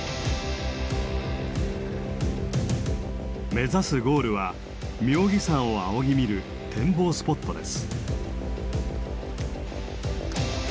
目指すゴールは妙義山を仰ぎ見る展望スポットです。